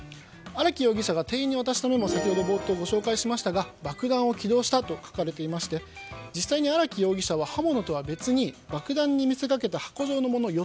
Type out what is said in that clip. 荒木容疑者が店員に渡したメモにも先ほど冒頭ご紹介しましたが爆弾を起動したと書かれていまして実際に荒木容疑者は刃物とは別に爆弾に見せかけた箱状のもの